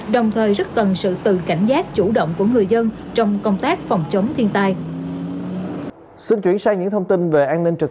đồng thời rất cần sự tự cảnh giác chủ động của người dân trong công tác phòng chống thiên tai